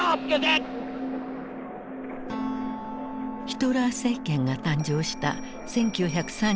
ヒトラー政権が誕生した１９３３年。